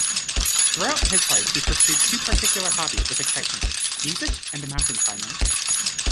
Throughout his life he pursued two particular hobbies with excitement: music and mountain-climbing.